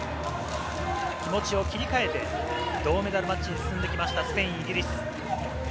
気持ちを切り替えて銅メダルマッチに進んできました、スペイン、イギリス。